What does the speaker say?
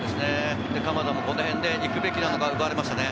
鎌田もこの辺で行くべきなのか、奪われましたね。